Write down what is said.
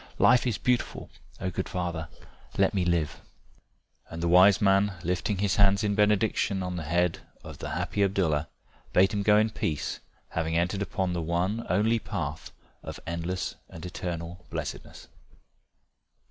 Life is beautiful O good father, let me live." And the wise man lifting his hands in benediction on the head of the happy Abdallah, bade him go in peace, having entered upon the one only path of endless and eternal blessedness.